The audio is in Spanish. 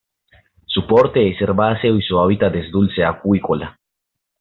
Su porte es herbáceo y su hábitat es dulceacuícola.